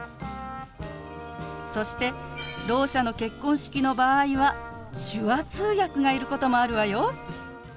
そしてろう者の結婚式の場合は手話通訳がいることもあるわよ。